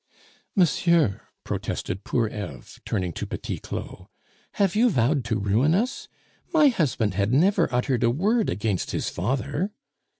"Monsieur!" protested poor Eve, turning to Petit Claud, "have you vowed to ruin us? My husband had never uttered a word against his father."